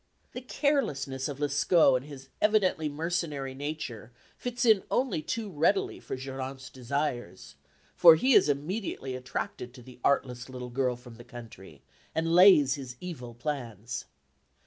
The carelessness of Lescaut and his evidently mercenary nature fits in only too readily with Geronte's desires, for he is immediately attracted to the artless little girl from the country and lays his evil plans.